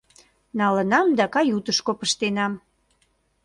Налынам да каютышко пыштенам.